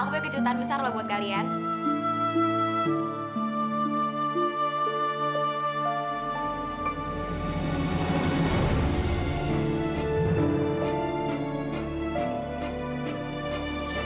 aku punya kejutan besar loh buat kalian